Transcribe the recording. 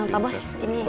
pak bos gini ya